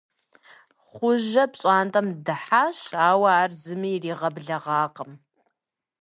Хъуэжэ пщӀантӀэм дыхьащ, ауэ ар зыми иригъэблэгъакъым.